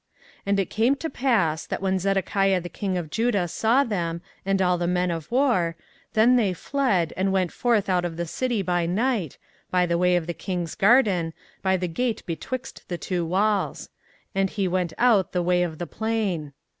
24:039:004 And it came to pass, that when Zedekiah the king of Judah saw them, and all the men of war, then they fled, and went forth out of the city by night, by the way of the king's garden, by the gate betwixt the two walls: and he went out the way of the plain.